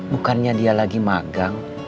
bukannya dia lagi magang